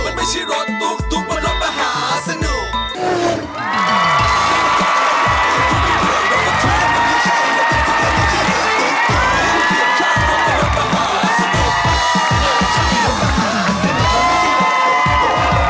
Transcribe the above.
มันไม่ใช่รถตุ๊กบนรถมหาสนุก